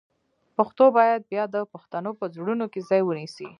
پښتو باید بیا د پښتنو په زړونو کې ځای ونیسي.